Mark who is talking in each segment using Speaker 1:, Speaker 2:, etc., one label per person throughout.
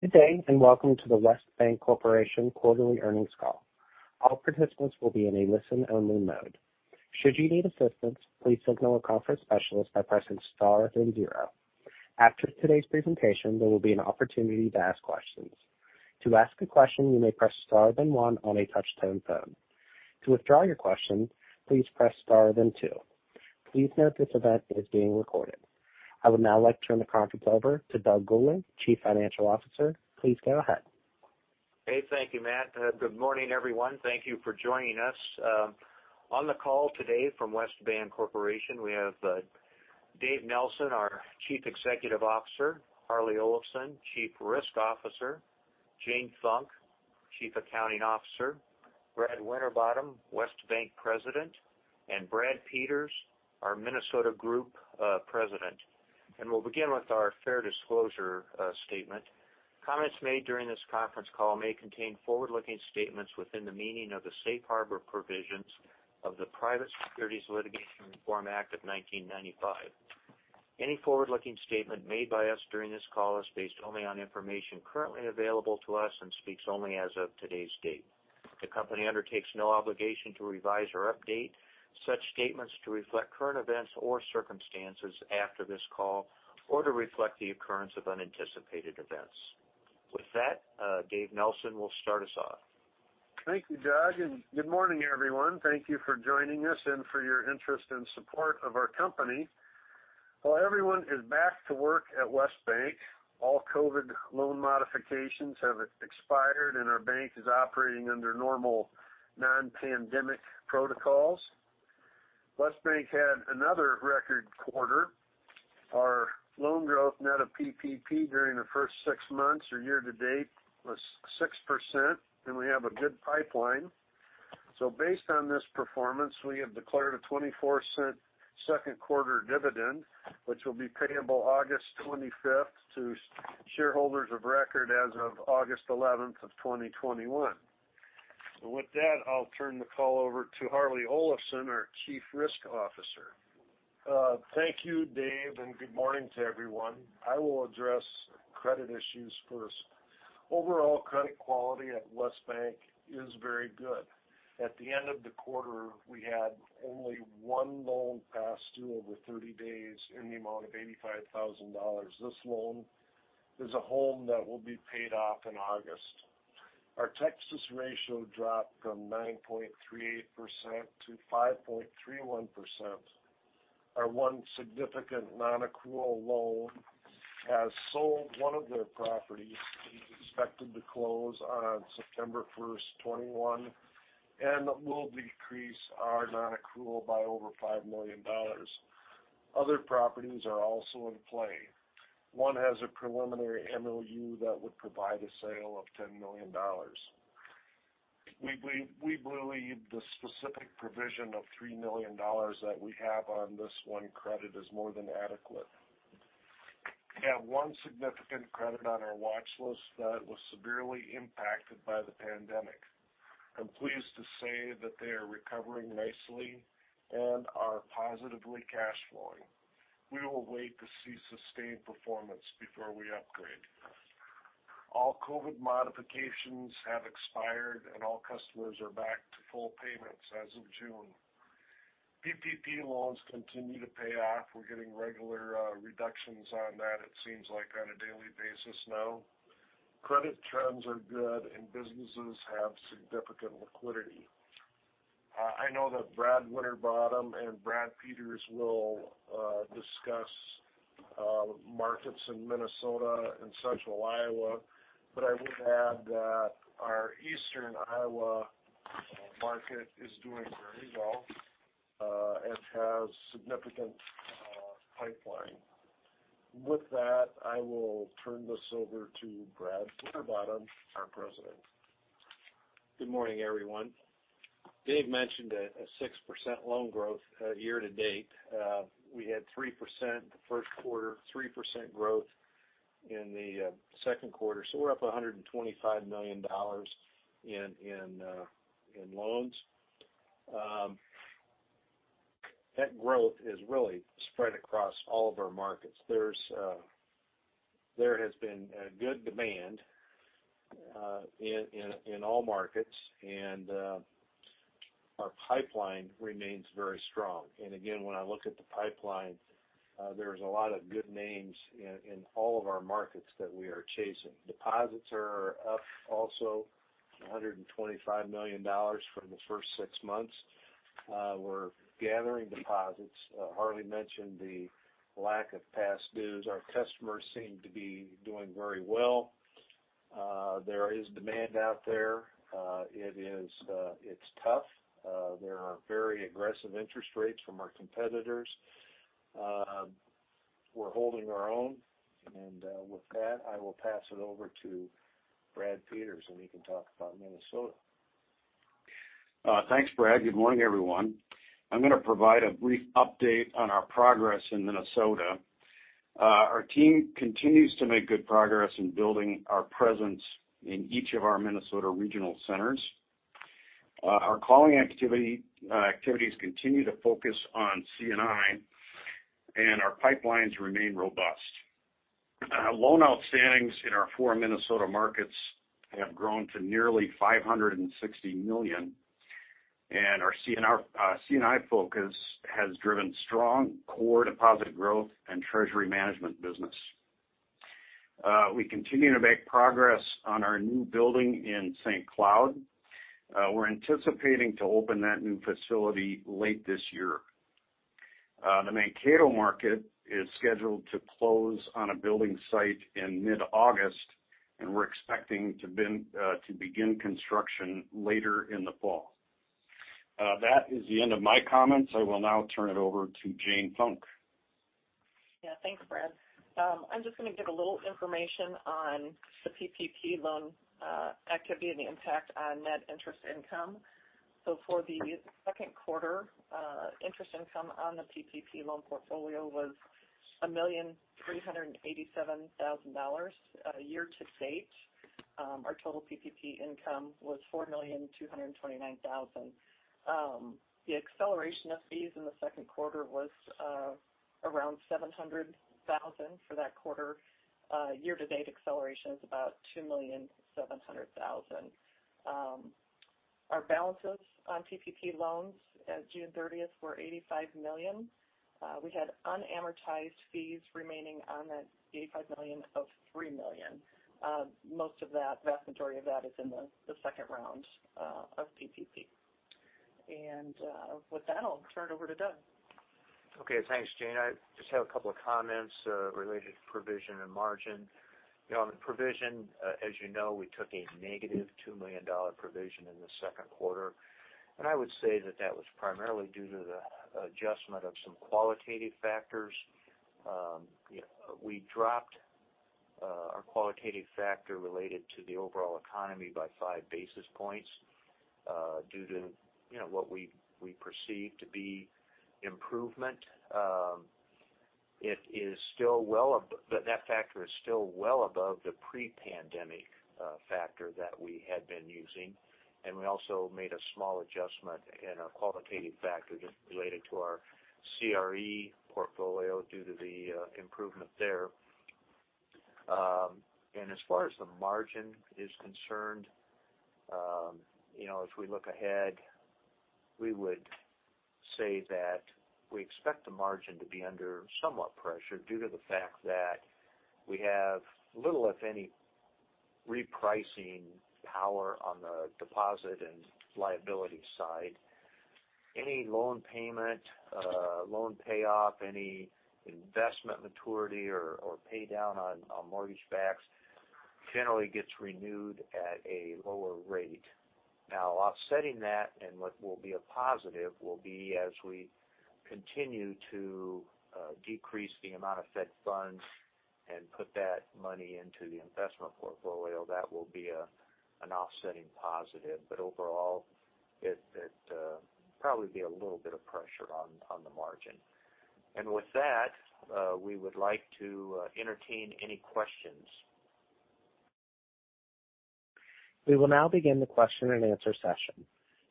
Speaker 1: Good day, and welcome to the West Bancorporation quarterly earnings call. All participants will be in a listen-only mode. Should you need assistance, please signal a conference specialist by pressing star then zero. After today's presentation, there will be an opportunity to ask questions. To ask a question, you may press star then one on a touch-tone phone. To withdraw your question, please press star then two. Please note this event is being recorded. I would now like to turn the conference over to Douglas Gulling, Chief Financial Officer. Please go ahead.
Speaker 2: Hey, thank you, Matt. Good morning, everyone. Thank you for joining us. On the call today from West Bancorporation, we have Dave Nelson, our Chief Executive Officer, Harlee Olafson, Chief Risk Officer, Jane Funk, Chief Accounting Officer, Brad Winterbottom, West Bank President, and Brad Peters, our Minnesota Group President. We'll begin with our fair disclosure statement. Comments made during this conference call may contain forward-looking statements within the meaning of the Safe Harbor Provisions of the Private Securities Litigation Reform Act of 1995. Any forward-looking statement made by us during this call is based only on information currently available to us and speaks only as of today's date. The company undertakes no obligation to revise or update such statements to reflect current events or circumstances after this call or to reflect the occurrence of unanticipated events. With that, Dave Nelson will start us off.
Speaker 3: Thank you, Doug. Good morning, everyone. Thank you for joining us and for your interest and support of our company. While everyone is back to work at West Bank, all COVID loan modifications have expired, and our bank is operating under normal non-pandemic protocols. West Bank had another record quarter. Our loan growth net of PPP during the first six months or year to date was six percent, and we have a good pipeline. Based on this performance, we have declared a $0.24 second quarter dividend, which will be payable August 25th to shareholders of record as of August 11th of 2021. With that, I'll turn the call over to Harlee Olafson, our Chief Risk Officer.
Speaker 4: Thank you, Dave. Good morning to everyone. I will address credit issues first. Overall credit quality at West Bank is very good. At the end of the quarter, we had only one loan past due over 30 days in the amount of $85,000. This loan is a home that will be paid off in August. Our Texas ratio dropped from nine point three percent to five point three one percent. Our one significant non-accrual loan has sold one of their properties, which is expected to close on September first, 2021, and will decrease our non-accrual by over $5 million. Other properties are also in play. One has a preliminary MOU that would provide a sale of $10 million. We believe the specific provision of $3 million that we have on this one credit is more than adequate. We have one significant credit on our watch list that was severely impacted by the pandemic. I'm pleased to say that they are recovering nicely and are positively cash flowing. We will wait to see sustained performance before we upgrade. All COVID modifications have expired, and all customers are back to full payments as of June. PPP loans continue to pay off. We're getting regular reductions on that, it seems like on a daily basis now. Credit trends are good, and businesses have significant liquidity. I know that Brad Winterbottom and Brad Peters will discuss markets in Minnesota and central Iowa, but I would add that our eastern Iowa market is doing very well and has significant pipeline. With that, I will turn this over to Brad Winterbottom, our President.
Speaker 5: Good morning, everyone. Dave mentioned a six percent loan growth year to date. We had three percent the first quarter, three percent growth in the second quarter. We're up $125 million in loans. That growth is really spread across all of our markets. There has been a good demand in all markets, and our pipeline remains very strong. Again, when I look at the pipeline, there's a lot of good names in all of our markets that we are chasing. Deposits are up also, $125 million from the first six months. We're gathering deposits. Harlee mentioned the lack of past dues. Our customers seem to be doing very well. There is demand out there. It's tough. There are very aggressive interest rates from our competitors. We're holding our own. With that, I will pass it over to Brad Peters, and he can talk about Minnesota.
Speaker 6: Thanks, Brad. Good morning, everyone. I'm going to provide a brief update on our progress in Minnesota. Our team continues to make good progress in building our presence in each of our Minnesota regional centers. Our calling activities continue to focus on C&I, and our pipelines remain robust. Loan outstanding in our four Minnesota markets have grown to nearly $560 million, and our C&I focus has driven strong core deposit growth and treasury management business. We continue to make progress on our new building in St. Cloud. We're anticipating to open that new facility late this year. The Mankato market is scheduled to close on a building site in mid-August, and we're expecting to begin construction later in the fall. That is the end of my comments. I will now turn it over to Jane Funk.
Speaker 7: Yeah. Thanks, Brad. I'm just going to give a little information on the PPP loan activity and the impact on net interest income. For the second quarter, interest income on the PPP loan portfolio was $1,387,000. Year to date, our total PPP income was $4,229,000. The acceleration of fees in the second quarter was around $700,000 for that quarter. Year to date acceleration is about $2,700,000. Our balances on PPP loans as of June 30th were $85 million. We had unamortized fees remaining on that $85 million of $3 million. Most of that, the vast majority of that is in the second round of PPP. With that, I'll turn it over to Doug.
Speaker 2: Okay. Thanks, Jane. I just have a couple of comments related to provision and margin. On the provision, as you know, we took a negative $2 million provision in the second quarter, and I would say that that was primarily due to the adjustment of some qualitative factors. We dropped our qualitative factor related to the overall economy by five basis points due to what we perceive to be improvement. That factor is still well above the pre-pandemic factor that we had been using, and we also made a small adjustment in our qualitative factor related to our CRE portfolio due to the improvement there. As far as the margin is concerned, if we look ahead, we would say that we expect the margin to be under somewhat pressure due to the fact that we have little, if any, repricing power on the deposit and liability side. Any loan payment, loan payoff, any investment maturity or pay down on mortgage backs generally gets renewed at a lower rate. Offsetting that and what will be a positive will be as we continue to decrease the amount of Fed funds and put that money into the investment portfolio. That will be an offsetting positive. Overall, it'd probably be a little bit of pressure on the margin. With that, we would like to entertain any questions.
Speaker 1: We will now begin the question and answer session.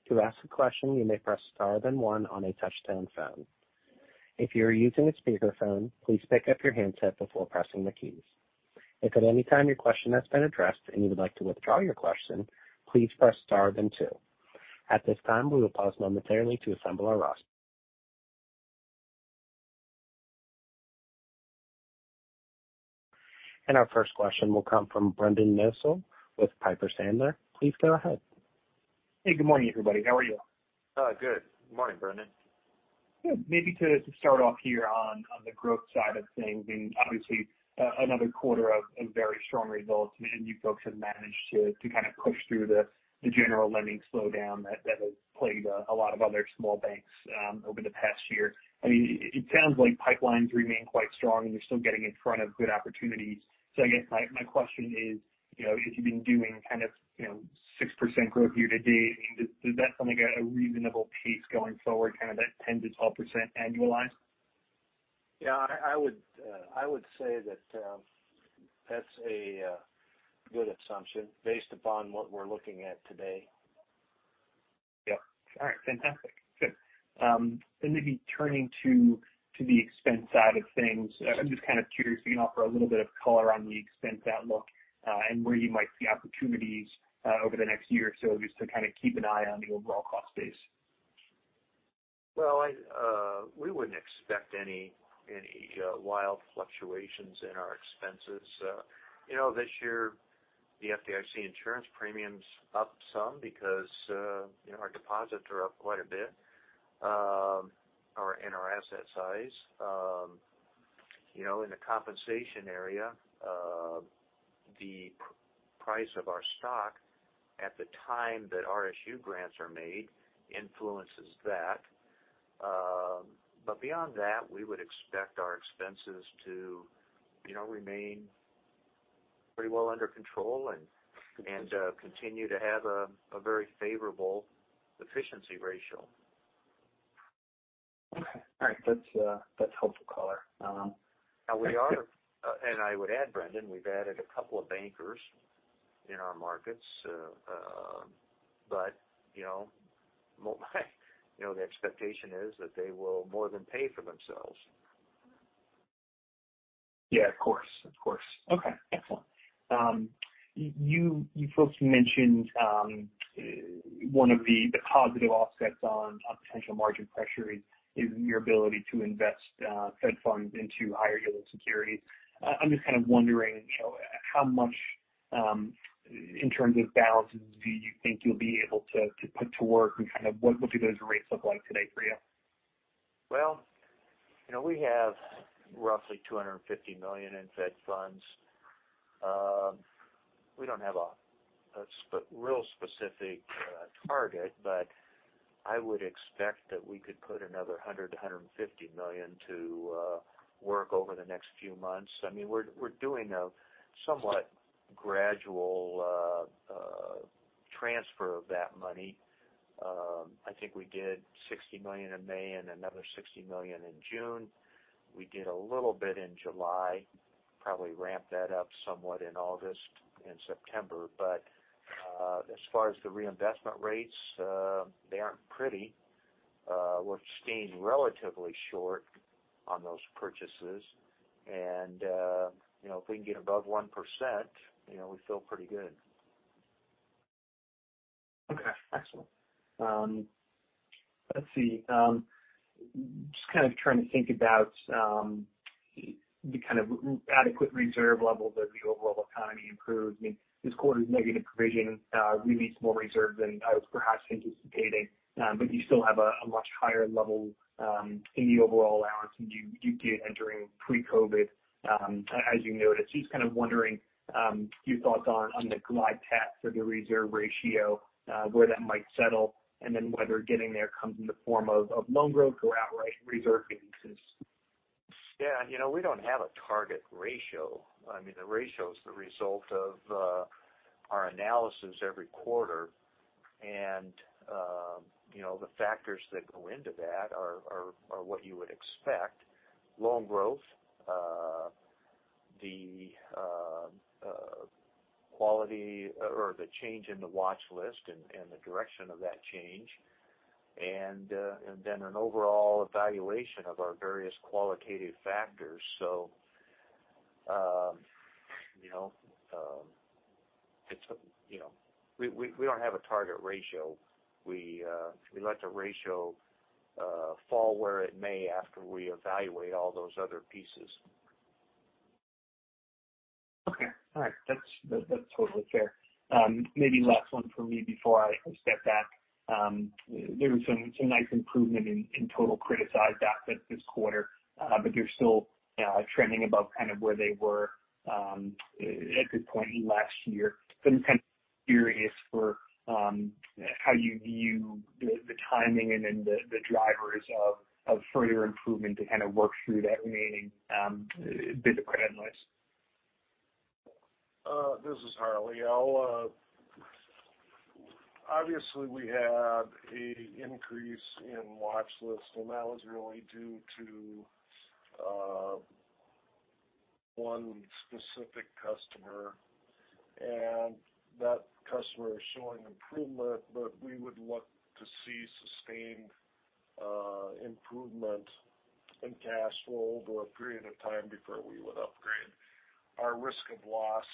Speaker 1: To ask a question, you may press star then one on a touch-tone phone. At this time, we will pause momentarily to assemble our roster. Our first question will come from Brendan Nosal with Piper Sandler. Please go ahead.
Speaker 8: Hey, good morning, everybody. How are you?
Speaker 2: Good. Morning, Brendan.
Speaker 8: Good. Maybe to start off here on the growth side of things, obviously another quarter of very strong results, you folks have managed to kind of push through the general lending slowdown that has plagued a lot of other small banks over the past year. It sounds like pipelines remain quite strong and you're still getting in front of good opportunities. I guess my question is, if you've been doing six percent growth year to date, does that sound like a reasonable pace going forward, kind of that 10%-12% annualized?
Speaker 2: Yeah, I would say that that's a good assumption based upon what we're looking at today.
Speaker 8: Yep. All right. Fantastic. Good. Maybe turning to the expense side of things. I'm just kind of curious if you can offer a little bit of color on the expense outlook and where you might see opportunities over the next year or so, just to kind of keep an eye on the overall cost base.
Speaker 2: Well, we wouldn't expect any wild fluctuations in our expenses. This year, the FDIC insurance premium's up some because our deposits are up quite a bit and our asset size. In the compensation area, the price of our stock at the time that RSU grants are made influences that. Beyond that, we would expect our expenses to remain pretty well under control and continue to have a very favorable efficiency ratio.
Speaker 8: That's helpful color.
Speaker 2: I would add, Brendan, we've added a couple of bankers in our markets. The expectation is that they will more than pay for themselves.
Speaker 8: Yeah, of course. Okay, excellent. You folks mentioned one of the positive offsets on potential margin pressure is your ability to invest Fed funds into higher yield securities. I'm just kind of wondering how much, in terms of balances, do you think you'll be able to put to work, and what do those rates look like today for you?
Speaker 2: Well, we have roughly $250 million in Fed funds. We don't have a real specific target. I would expect that we could put another $100 million-$150 million to work over the next few months. I mean, we're doing a somewhat gradual transfer of that money. I think we did $60 million in May and another $60 million in June. We did a little bit in July, probably ramp that up somewhat in August and September. As far as the reinvestment rates, they aren't pretty. We're staying relatively short on those purchases. If we can get above one percent, we feel pretty good.
Speaker 8: Okay, excellent. Let's see. Just kind of trying to think about the kind of adequate reserve levels as the overall economy improves. I mean, this quarter's negative provision released more reserves than I was perhaps anticipating. You still have a much higher level in the overall allowance than you did entering pre-COVID, as you noted. Just kind of wondering your thoughts on the glide path for the reserve ratio, where that might settle, and then whether getting there comes in the form of loan growth or outright reserve increases.
Speaker 2: Yeah. We don't have a target ratio. I mean, the ratio is the result of our analysis every quarter. The factors that go into that are what you would expect. Loan growth, the quality or the change in the watch list and the direction of that change, and then an overall evaluation of our various qualitative factors. We don't have a target ratio. We let the ratio fall where it may after we evaluate all those other pieces.
Speaker 8: Okay. All right. That's totally fair. Maybe last one from me before I step back. There was some nice improvement in total criticized assets this quarter. They're still trending above kind of where they were at this point last year. I'm kind of curious for how you view the timing and then the drivers of further improvement to kind of work through that remaining bit of credit risk.
Speaker 4: This is Harlee. Obviously, we had an increase in watch list, and that was really due to one specific customer. That customer is showing improvement, but we would look to see sustained improvement in cash flow over a period of time before we would upgrade. Our risk of loss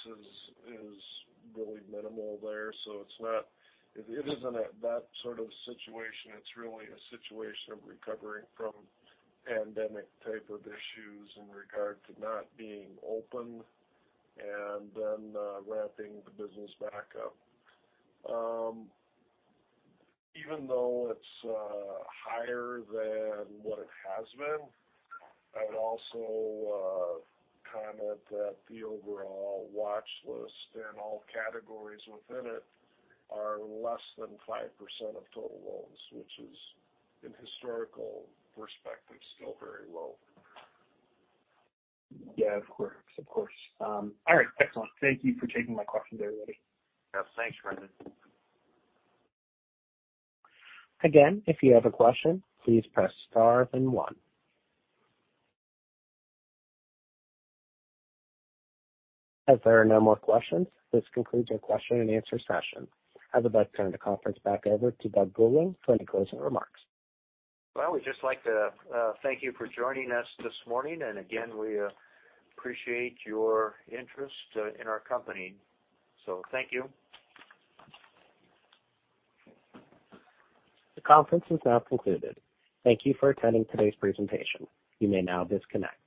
Speaker 4: is really minimal there. It isn't that sort of situation. It's really a situation of recovering from pandemic type of issues in regard to not being open and then ramping the business back up. Even though it's higher than what it has been, I would also comment that the overall watch list and all categories within it are less than five percent of total loans, which is, in historical perspective, still very low.
Speaker 8: Yeah, of course. All right, excellent. Thank you for taking my questions, everybody.
Speaker 2: Yeah. Thanks, Brendan.
Speaker 1: If you have a question, please press star then one. There are no more questions, this concludes our question and answer session. I would like to turn the conference back over to Doug Gulling for any closing remarks.
Speaker 2: Well, we'd just like to thank you for joining us this morning. Again, we appreciate your interest in our company. Thank you.
Speaker 1: The conference is now concluded. Thank you for attending today's presentation. You may now disconnect.